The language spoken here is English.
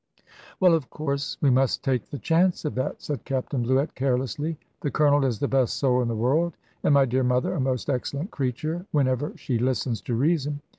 "Well, of course, we must take the chance of that," said Captain Bluett, carelessly. "The Colonel is the best soul in the world, and my dear mother a most excellent creature, whenever she listens to reason.